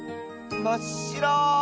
まっしろ。